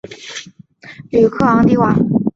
吕克昂迪瓦。